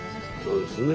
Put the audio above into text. そうですね。